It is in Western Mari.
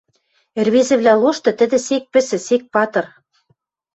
Ӹрвезӹвлӓ лошты тӹдӹ сек пӹсӹ, сек патыр.